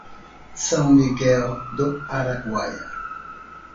São Miguel do Araguaia